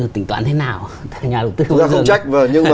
tính toán thế nào nhưng mà